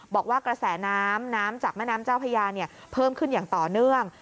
บอกว่ากระแสน้ำน้ำจากแม่น้ำเจ้าพญาเพิ่มขึ้นอย่างต่อเนื่อง